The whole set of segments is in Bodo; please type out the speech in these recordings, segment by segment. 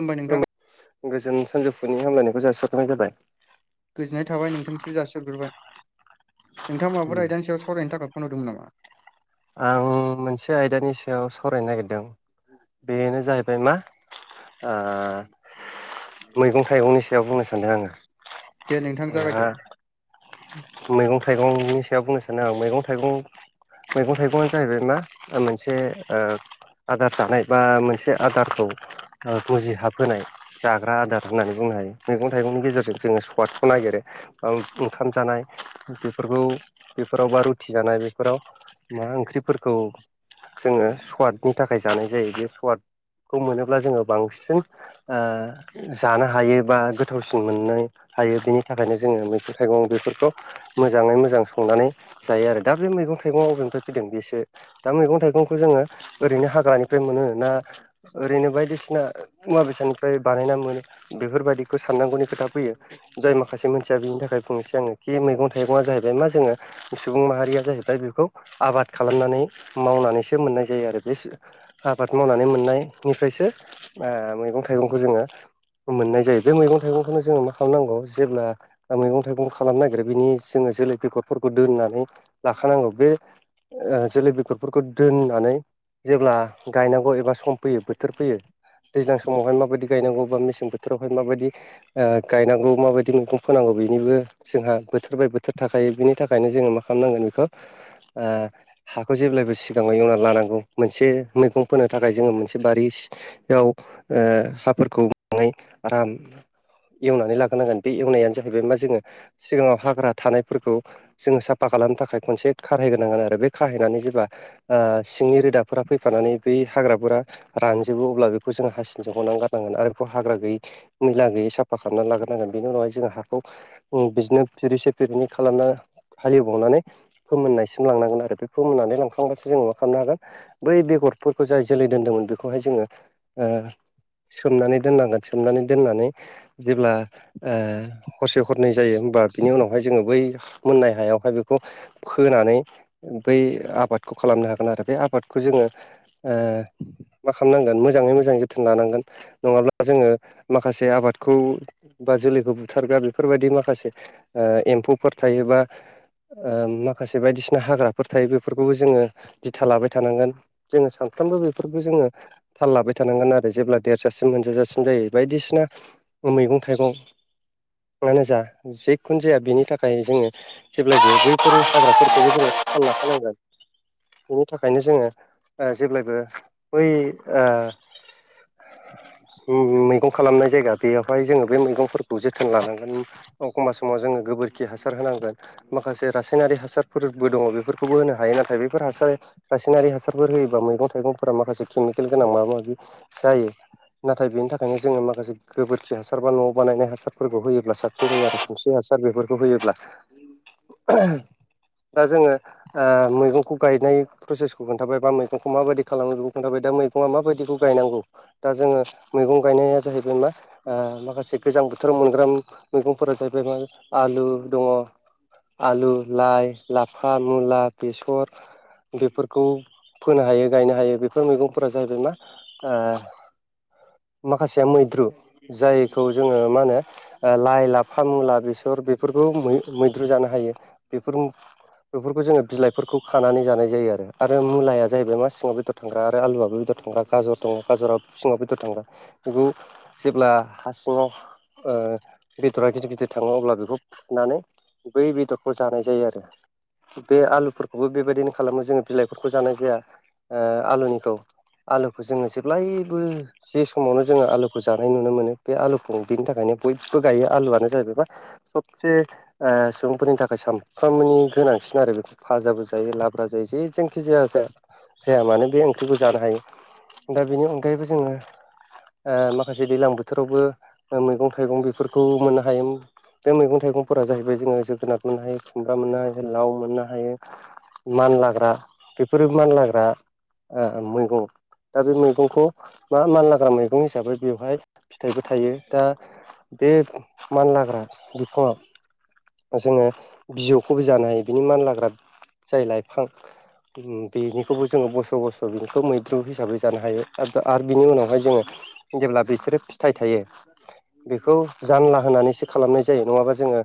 होमबा नोंथां खुलुमबाय गोजोन सानजौफुनि हामलायनायखौ जासिहरग्रोनाय जाबाय गोजोननाय थाबाय नोंथांनिसिमबो जासिहरग्रोबाय नोंथाङा माबाफोर उम आयदानि सायाव सावरायनो थाखाय फन हरदोंमोन नामा आं मोनसे आयदानि सायाव सावरायनो नागिरदों बेनो जाहैबाय मा ओ मैगं थाइगंनि सायाव बुंनो सान्दों आङो दे नोंथां नोंहा जागायदो मैगं थाइगंनि सायाव बुंनो सानो आं मैगं थाइगं मैगं थाइगंआ जाहैबाय मा ओ मोनसे ओ आदार जानाय बा मोनसे आदारखौ ओ मुजिहाबहोनाय जाग्रा आदार होननानै बुंनो हायो मैगं थाइगंनि गेजेरजों जोङो स्वादखौ नागिरो ओं ओम ओंखाम जानाय बेफोरखौ बेफोराव बा रुथि जानाय बेफोराव मा ओंख्रिफोरखौ जोङो सुवादनि थाखाय जानाय जायो बे सुवाद खौ मोनोब्ला जोङो बांसिन ओ जानो हायो बा गोथावसिन मोननो हायो बिनि थाखायनो जोङो बैफोर थायगं बेफोरखौ मोजाङै मोजां संनानै जायो आरो दा बे मैगं थाइगंआ अबेनिफ्राय फैदों बेसो दा मैगं थाइगंखौ जोङो ओरैनो हाग्रानिफ्राय मोनो ना ओरैनो बायदिसिना मुवा बेसादनिफ्राय बानायना मोनो बेफोरबायदिखौ साननांगौनि खोथा फैयो जाय माखासे मानसिया बिनि थाखाय बुंनोसै आङो खि मैगं थाइगंआ जाहैबाय मा जोङो सुबुं माहारिया जाहैबाय बेखौ आबाद खालामनानै मावनानैसो मोननाय जायो आरो बे सो आबाद मावनानै मोननायनिफ्रायसो ओ मैगं थाइगंखौ जोङो मोननाय जायो बे मैगं थाइगंखौनो जोङो मा खालामनांगौ जेब्ला मैगं थाइगं खालाम नागिरो बिनि जोङो जोलै बेगरफोरखौ दोननानै लाखानांगौ बे ओ जोलै बेगरफोरखौ दोननानै जेब्ला गायनांगौ एबा सम फैयो बोथोर फैयो दैज्लां समावहाय माबायदि गायनांगौ बा मेसें बोथोरावहाय माबायदि ओ गायनांगौ माबायदि मैगं फोनांगौ बेनिबो जोंहा बोथोर बाय बोथोर थाखायो बिनि थाखायनो जोङो मा खालामनांगोन बेखौ ओ हाखौ जेब्लायबो सिगाङाव एवनानै लानांगौ मोनसे मैगं फोनो थाखाय जोङो मोनसे बारि बेयाव ओ हाफोरखौ [unintelligible] आराम एवनानै लाग्रोनांगोन बे एवनायानो जाहैबाय मा जोङो सिगाङाव हाग्रा थानायफोरखौ जोङो साफा खालामनो थाखाय खनसे खारायग्रोनांगोन आरो बे खारायनानै जेब्ला ओ सिंनि रोदाफोरा फैफानानै बै हाग्राफोरा रानजोबो अब्ला बेखौ जों हासिनजों हनानै गारनांगोन आरो बेखौ हाग्रा गैयै मैला गैयै साफा खालामनानै लाग्रोनांगोन बेनि उनावहाय जोंङो हाखौ ओम बिदिनो फिरिसे फिरिनै खालामना हालेवबावनानै फोमोननायसिम लांनांगोन आरो [unintelligible] खालामनो हागोन। बै बेगरफोरखौ जाय जोलै दोनदोंमोन बेखौहाय जोङो ओ सोमनानै दोननांगोन सोमनानै दोननानै जेब्ला ओ हस हरनाय जायो होमबा बिनि उनावहाय जोङो बै मोननाय हायावहाय बेखौ फोनानै बै आबादखौ खालामनो हागोन आरो बे आबादखौ जोङो ओ मा खालामनांगोन मोजाङै मोजां जोथोन लानांगोन। नङाब्ला जोङो माखासे आबादखौ बा जोलैखौ बुथारग्रा बेफोरबायदि माखासे एम्फौफोर थायोबा। माखासे बायदिसिना हाग्राफोर थायो बेफोरखौबो जोङो दिथा लाबाय थानांगोन। जोङो सानफ्रोमबो बेफोरखौ जोङो। थाल लाबाय थानांगोन आरो। जेब्ला देरजासिम मोनजाजासिम जायो बायदिसिना ओ मैगं थाइगं मानो जा जेखुनु जाया बेनि थाखाय जोङो जेब्लायबो बैफोर हाग्राफोरखौबो जोङो सान लाखानांगोन। बिनि थाखायनो जोङो जेब्लायबो बै ओ मैगं खालामनाय जायगा दैयावहाय जोङो बे मैगंफोरखौ जोथोन लानांगोन। एखमबब्ला समाव जोङो गोबोरखि हासार होनांगोन। माखासे रासायनारि हासारफोरबो दंङ' बेफोरखौबो होनो हायो नाथाय बेफोर हासार रासायनारि हासारफोर होयोबा मैगं थाइगंफोरा माखासे केमिकेल गोनां माबा माबि जायो। नाथाय बेनि थाखायनो जोङो माखासे गोबोरखि हासार बा न' बानायनाय हासारफोरखौ होयो साबसिन जायो आरो खोमसे हासार बेफोरखौ होयोब्ला। दा जोङो मैगंखौ गायनाय प्रसेसखौ खोन्थाबाय बा मैगंखौ माबायदि खालामो बेखौ खोन्थाबाय दा [unintelligible] माबायदिखौ गायनांगौ दा जोङो मैगं गायनाया जाहैबाय मा माखासे गोजां बोथोराव मोनग्रा मैगंफोरा जाहैबाय मा आलु दङ', आलु, लाइ, लाफा, मुला, बेसर, बेफोरखौ फोनो हायो गायनो हायो। बेफोर मैगंफोरा जाहैबाय मा माखासे मैद्रु जायखौ जोङो मा होनो लाइ लाफा मुला बेसर बेफोरखौै मैद्रु जानो हायो। बेफोर बेफोरखौ जोङो बिलाइफोरखौ खानानै जानाय जायो। आरो मुलाया जाहैबाय मा सिङाव बेदर थांग्रा आरो आलुआबो बेदर थांग्रा गाजर दङ' गाजराबो सिङावबो बेदर थांग्रा बेखौ जेब्ला हा सिङाव ओ बेदरा गिदिर गिदिर थाङो अब्ला बेखौ फुनानै बै बेदरखौ जानाय जायो आरो। बे आलुफोरखौबो बेबायदिनो खालामो जोङो बिलाइफोरखौ जानाय जाया आलुनिखौ आलुखौ जोङो जेब्लायबो जे समावनो जोङो आलुखौ जानाय नुनो मोनो बे आलुखौ बिनि थाखायनो बयबो गायो आलुआनो जाहैबाय मा सबसे सुबुंफोरनि थाखाय सानफ्रामनि गोनांसिन आरो। फाजाबो जायो लाब्रा जायो जे जांखि जाया जाया मानो बे ओंख्रिबो जानो हायो। दा बेनि अनगायैबो जोङो। माखासे दैज्लां बोथोरावबो मैगं थाइगं बेफोरखौ मोननो हायोमोन बे मैगं थाइगंफोरा जाहैबाय जोङो जोगोनार मोननो हायो खुमब्रा मोननो हायो लाव मोननो हायो। मान लाग्रा बेफोरो मान लाग्रा मैगं दा बे मैगंखौ मा मान लाग्रा मैगं हिसाबै बेवहाय फिथाइबो थायो दा बे मानलाग्रा बिफांङाव जोङो बिजौखौबो जानो हायो बिनि मान लाग्रा जाय लाइफां बेनिखौबो जोङो बोस' बस' बिनिखौ मैद्रु हिसाबै जानो हायो। आरो आरो बिनि उनावहाय जोङो जेब्ला बिसोरो फिथाइ थायो। बेखौ जानला होनानैसो खालामनाय जायो नङाबा जोङो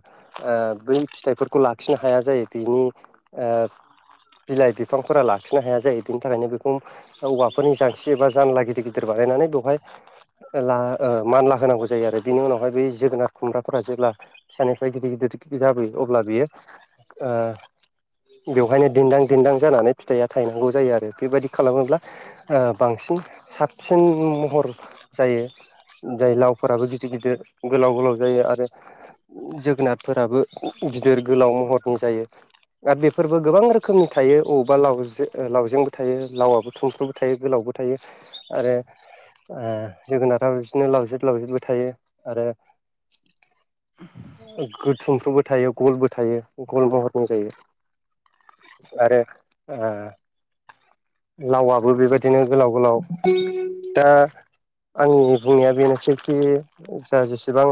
बै फिथाइफोरखौ लाखिनो हाया जायो बिनि ओ बिलाइ बिफांफोरा लाखिनो हाया जायो बेनि थाखायनो बेखौ औवाफोरनि जांसि एबा जानला गिदिर गिदिर बानायनानै बेवहाय मानला होनांगौ जायो आरो बिनि उनावहाय बै जोगोनार खुमग्राफोरा जेब्ला फिसानिफ्राय गिदिर गिदिर जाबोयो अब्ला बियो ओ बेवहायनो दिन्दां दिन्दां जानानै फिथाइया थायनांगौ जायो आरो बेबायदि खालामोब्ला ओ बांसिन साबसिन महर जायो जाय लावफोराबो गि- गिदिर गिदिर गोलाव गोलाव जायो आरो जोगोनारफोराबो गिदिर गोलाव महरनि जायो। आथ बेफोरबो गोबां रोखोमनि थायो अबेबा लावजे ओ लावजेंबो थायो लावाबो थुमफ्रुथुमफ्रु- थायो गोलावबो थायो आरो ओ जोगोनारा बिदिनो लावजिर लावजिरबो थायो। आरो गोथुमफ्रुबो थायो गलबो थायो गल महरनि जायो। आरो ओ लावाबो बेबायदिनो गोलाव गोलाव, दा आंनि बुंनाया बेनोसैखि जा जेसेबां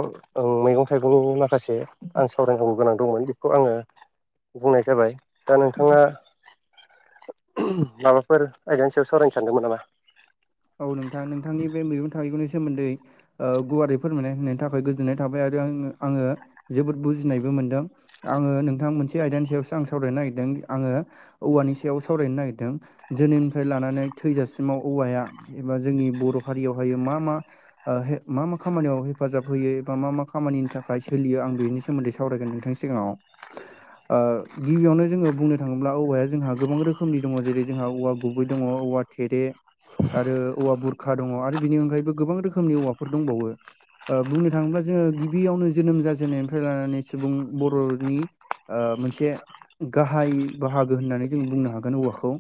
मैगं थाइगंनि माखासे आं सावरायनांगौ गोनां दंमोन बेखौ आङो बुंनाय जाबाय दा नोंथाङा माबाफोर आइजोनि सायाव सावरायनो सानदोंमोन नामा? औ नोंथां नोंथांनि बे मैगं थाइगंनि सोमोन्दै ओ गुवारै फोरमायनाय होनायनि थाखाय गोजोननाय थाबाय आरो आङो आङो जोबोद बुजिनायबो मोनदों। आङो नोंथां मोनसे आयदानि सायावसो आं सावरायनो नागिरदों आङो औवानि सायाव सावरायनो नागिरदों। जोनोमनिफ्राय लानानै थैजासिमाव औवाया एबा जोंनि बर' हारियावहायो मा मा ओ हे मा मा खामानियाव हेफाजाब होयो एबा मा मा खामानिनि थाखाय सोलियो आं बेनि- सोमोन्दै सावरायगोन नोंथांनि सिगाङाव। ओ गिबियावनो जोङो बुंनो थाङोब्ला औवाया जोंहा गोबां रोखोमनि दङ जेरै जोंहा औवा गुबै दङ औवा- थेरे आरो औवा बुरखा दङ आरो बिनि अनगायैबो गोबां रोखोमनि औवाफोर दंबावो। ओ बुंनो थाङोब्ला जोङो गिबियावनो जोनोम जाजेननायनिफ्राय लानानै सुबुं बर'नि ओ मोनसे गाहाय बाहागो होननानै जों बुंनो हागोन औवाखौ।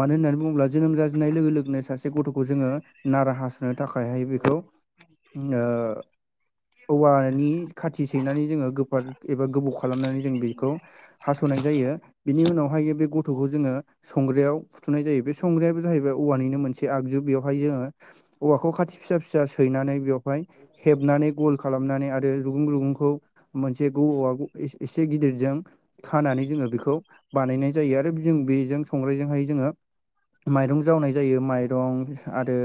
मानो होननानै बुङोब्ला जोनोम जाजेननाय लोगो लोगोनो सासे गथ'खौ जोङो नारा हास'नो थाखायहाय बेखौ ओ औवानि खाथि सैनानै जोङो गोफार एबा गोबौ खालामनानै जों बेखौ हास'नाय जायो बिनि उनावहाय बे गथ'खौ जोंङो संग्रायाव फुथुनाय जायो बे संग्रायाबो जाहैबाय औवानिनो मोनसे आगजु बेवहाय जोङो औवाखौ खाथि फिसा फिसा सैनानै बेवहाय हेबनानै गल खालामनानै आरो रुगुं रुगुंखौ मोनसे ग-आ-ग ए एसे गिदिरजों खानानै जोङो बेखौ बानायनाय जायो आरो जों बेजों संग्रायजोंहाय जोङो माइरं जावनाय जायो माइ दं आरो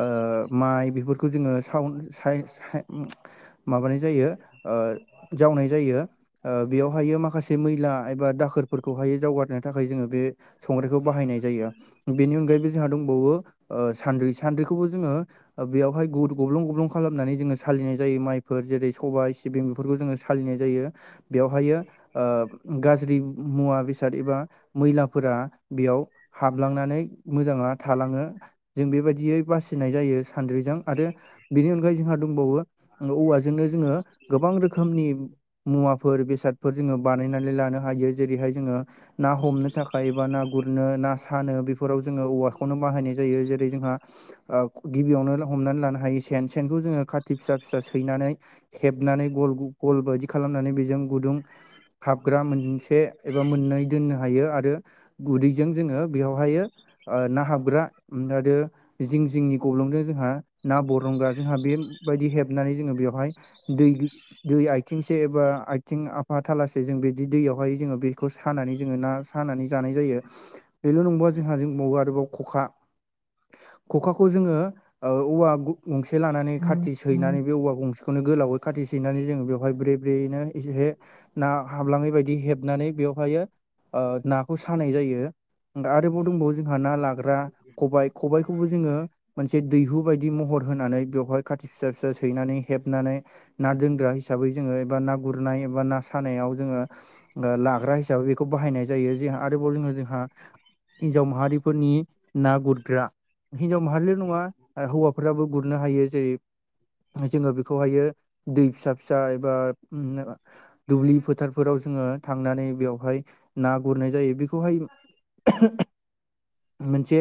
ओ माइ बेफोरखौ जोङो साव साय साय माबानाय जायो ओ जावनाय जायो। ओ बेयावहायो माखासे मैला एबा दाखोरफोरखौहायो जावगारनो थाखाय जोङो बे संग्राइखौ बाहायनाय जायो बेनि अनगायैबो जोंहा दं बौवो ओ सान्द्रि सान्द्रिखौबो जोङो ओ बेयावहाय गु गब्लं गब्लुंं खालामनानै जोङो सालिनाय जायो माइफोर जेरै सबाय सि सिबिं बेफोरखौ जोङो सालिनाय जायो बेवहायो ओ गाज्रि मुवा बेसाद एबा मैलाफोरा बेयाव हाबलांनानै मोजांङा थालांङो जों बेबायदियै बासि सिनाय जायो सान्द्रिजों। आरो बेनि अनगायै जोंहा दंबावो औवाजोंनो जोंङो गोबां रोखोमनि मुवाफोर बेसादफोर जोङो बानायनानै लानो हायो। जेरैहाय जोङो ना हमनो थाखाय एबा ना गुरनो ना सानो बेफोराव जोङो औवाखौनो बाहायनाय जायो। जेरै जोंहा ओ गिबियावनो हमनानै लानो हायो सेन सेनखौ जोङो खाथि फिसा फिसा सैनानै हेबनानै गल गल बायदि खालामनानै बेजों गुदुं हाबग्रा मोनसे एबा मोननै दोननो हायो आरो गुदैजों जोङो बेयावहायो ना हाबग्रा आरो जिं जिंनि गब्लंजों जोंहा ना बरंगा जोंहा बेबायदि हेबनानै जोङो बेवहाय दै दै आयथिंसे एबा आयथिं आफा थालासे जों बिदि दैयावहाय जोङो बेखौ सानानै जोङो ना हानानै जानाय जायो बेल' नंबावा जोंहा जों बबावा आरोबाव ख'खा ख'खाखौ जोङो ओ औवा गु गंसे लानानै खाथि सै सैनानै बे औवा गंसेखौनो गोलावै खाथि सैनानै जोङो बेवहाय ब्रै ब्रैयैनो एसे ना हाबलाङै बायदि हेबनानै बेवहायो ओ नाखौ सानाय जायो आरोबाव दंबावो जोंहा ना लाग्रा खबाइ खबाइखौबो जोङो मोनसे दैहु बायदि महर होनानै बेवहाय खाथि फिसा फिसा सैनानै हेबनानै ना दोनग्रा हिसाबै जोङो एबा ना गुरनाय एबा ना सानायाव जोङो लाग्रा हिसाबै बेखौ बाहायनाय जायो जोंहा आरोबाव जो जोंहा हिन्जाव माहारिफोरनि ना गुरग्रा हिनजाव माहारिल' नङा हौवाफोराबो गुरनो हायो जेरै जोङो बेखौहायो दै फिसा फिसा एबा दुब्लि फोथारफोराव जोङो थांनानै बेवहाय ना गुरनाय जायो बेखौहाय [inaudible] मोनसे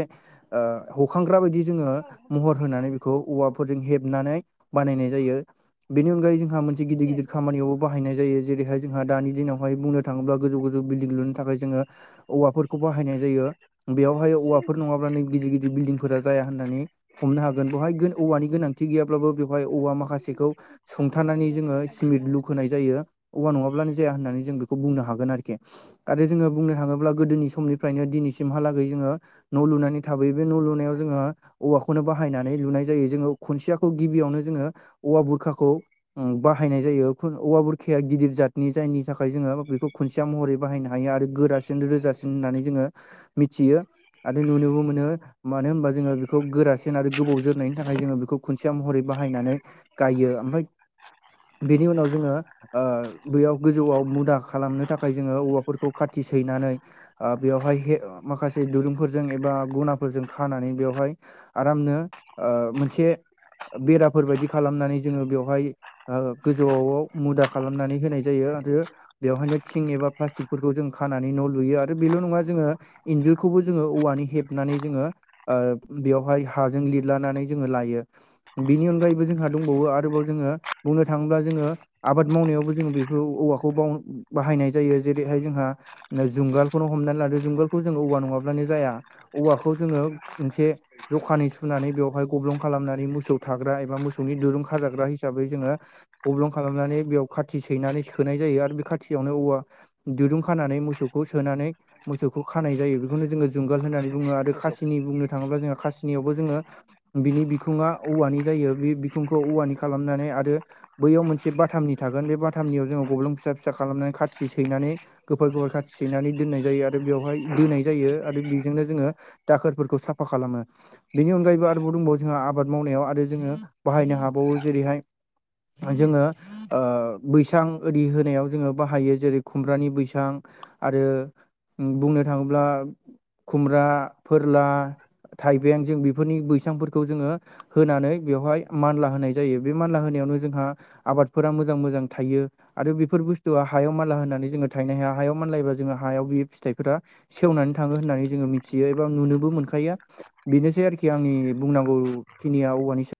ओ हखांग्रा बायदि जोङो महर होनानै बेखौ औवाफोरजों हेबनानै बानायनाय जायो। बेनि अनगायै जोंहा मोनसे गिदिर गिदिर खामानियावबो बाहायनाय जायो जेरैहाय जोंहा दानि दिनावहाय बुंनो थाङोब्ला गोजौ गोजौ बिल्डिं लुनो थाखाय जोङो औवाफोरखौ बाहायनाय जायो। बेयावहाय औवाफोर नङाब्लानो गिदिर गिदिर बिल्डिंफोरा जाया होननानै हमनो हागोन बेवहाय औवानि गोनांथि गैयाब्लाबो बेवहाय औवा माखासेखौ सुंथानानै जोङो स्मिट लुखोनाय जायो। औवा नङाब्लानो जाया होननानै जों बेखौ बुंनो हागोन आरोखि। आरो जोङो बुंनो थाङोब्ला गोदोनि समनिफ्रायनो दिनैसिमहालागै जोङो न' लुनानै हथाबै बे न' लुनायाव जोङो औवाखौनो बाहायनानै लुनाय जायो जोङो खुनथियाखौ गिबियावनो जोङो औवा बुरखाखौ बाहायनाय जायो औवा बुरखाया गिदिर जाद जायनि थाखाय जोङो बेखौ खुन्सेया महरै बाहायनो हायो आरो गोरासिन रोजासिन होननानै जोङो फियो आरो नुनोबो मोनो। मानो होमबा जोङो बेखौ गोरासिन आरो गोबाव जोरनायनि थाखाय जोङो बेखौ खुनसिया म महरै बाहायनानै गायो ओमफ्राय बेनि उनाव जोङो बेयाव गोजौआव मुदा खालामनो थाखाय जोङो औवाफोरखौ खाथि सैनानै बेवहाय माखासे दुरुंफोरजों एबा गुनाफोरजों खानानै बेवहाय आरामनो ओ मोनसे बेराफोरबायायदि खालामनानै जोङो बेवहाय गोजौआवआव मुदा खालामनानै होनाय जायो आरो बेवहायनो थिं एबा प्लास्टिकफोरखौ जों खानानै न' लुयो आरो बेल' नङा जोङो इन्जुरखौबो जोङो औवानि हेबनानै जोङो ओ बेवहाय हाजों लिरलानानै जोङो लायो। बिनि अनगायैबो जोंहा दंबावो आरोबाव जोङो बुंनो थाङोब्ला जोङो आबाद मावनायावबो जोङो बेखौ औवाखौ बाव बाहायनाय जायो जेरैहाय जोंहा जुंगालखौनो हमनानै लादो जुंगालखौ जोङो औवा नङाब्लानो जाया औवाखौ जोङो गंसे जखानै सुनानै बेवहाय गब्लं खालामनानै मोसौ थाग्रा एबा मोसौनि दुरुं खाजाग्रा हिसाबै जोङो गब्लं खालामनानै बेयाव खाथि सैनानै सोनाय जायो आरो बे खाथियावनो औवा दिरुं खानानै मोसौखौ सोनानै बेखौ खानाय जायो बेखौनो जोङो जुंगाल होननानै बुङो आरो नामा? खासिनि बुंनो थाङोब्ला जोंहा खासिनियावबो जोङो बिनि बिखुङा औवानि जायो बे बिखुंखौ औवानि खालामनानै आरो बैयाव मोनसे बाथामनि थागोन बे बाथामनियाव जोङो गब्लुं फिसा फिसा खालामनानै खाथि सैनानै गोफोर गोफार खाथि सैनानै दोननाय जायो आर ओ बेवहाय दोनाय जायो आरो बेजोंनो जोङो दाखोरफोरखौ साफा खालामो। बेनि अनगायैबो आरोबाव दंबावो जोंहा आबाद मावनायाव आरो जोङो बाहायनो हाबावो जेरैहाय हाय जोङो ओ बैसां ओरि होनायाव जोङो बाहायो जेरै खुमब्रानि बैसां आरो बुंनो थाङोब्ला खुमब्रा फोरला थाइबें जों बेफोरनि बैसांफोरखौ जोङो होनानै बेवहाय मानला होनाय जायो बे मानला होनायावनो जोंहा आबादफोरा मोजां मोजां थायो। आरो बेफोर बुस्थुआ हायाव माला होननानै जोङो थायनो हाया हायाव माल लायोबा जोङो हायाव बिब फिथाइफोरा सेवनानै थाङो होननानै जोङो मिथियो एबा नुनोबो मोनखायो। बेनोसै आरोखि आंनि बुंनांगौ खिनिया औवानि स